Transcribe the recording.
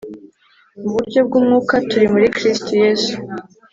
mu buryo bw'umwuka, turi muri Kristo Yesu.